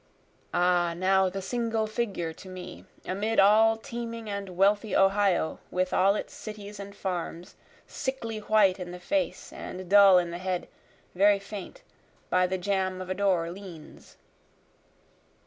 Ah now the single figure to me, Amid all teeming and wealthy Ohio with all its cities and farms, Sickly white in the face and dull in the head, very faint, By the jamb of a door leans.